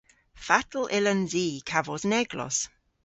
Fatel yllons i kavos an eglos?